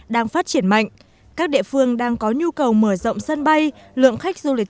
đang phát triển mạnh các địa phương đang có nhu cầu mở rộng sân bay lượng khách du lịch